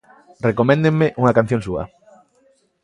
Recoméndenme unha canción súa.